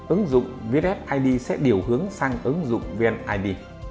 ứng dụng vred sẽ điều hướng sang ứng dụng vnid